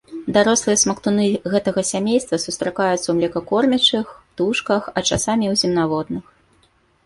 Дарослыя смактуны гэтага сямейства сустракаюцца ў млекакормячых, птушках, а часам і ў земнаводных.